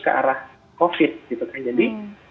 ke arah covid gitu kan jadi